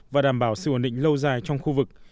và đảm bảo sự ổn định lâu dài trong khu vực